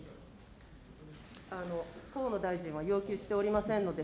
河野大臣は要求しておりませんので。